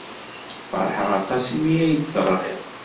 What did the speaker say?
Feṛḥeɣ aṭas imi ay d-teɣrid.